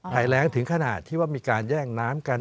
หายแรงถึงขนาดที่ว่ามีการแย่งน้ำกัน